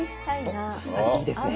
おっ女子旅いいですね。